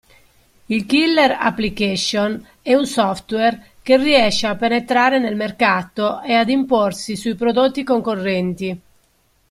Il killer application è un software, che riesce a penetrare nel mercato e ad imporsi sui prodotti concorrenti.